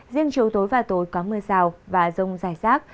riêng chiều tối và tối có mưa rào và rông dài rác